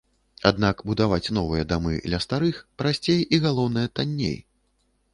Аднак будаваць новыя дамы ля старых прасцей і, галоўнае, танней.